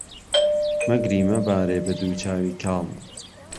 مهگری مهبارێ به دوو چاوی کاڵ